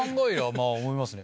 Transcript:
まぁ思いますね。